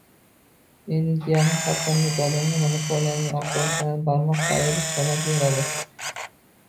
endi jiyanim har qanday katta odamga monopoliyaning oqibatlarini barmoq qayirib sanab beradi –